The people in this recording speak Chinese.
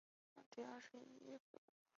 成化七年辛卯科应天府乡试第一名。